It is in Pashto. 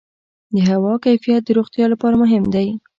د هوا کیفیت د روغتیا لپاره مهم دی.